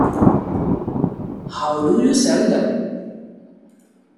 How do you sell them?